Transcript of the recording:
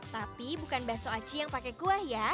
tapi bukan bakso aci yang pakai kuah ya